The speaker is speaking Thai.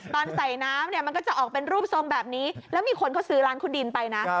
ตอนใส่น้ำเนี่ยมันก็จะออกเป็นรูปทรงแบบนี้แล้วมีคนเขาซื้อร้านคุณดินไปนะ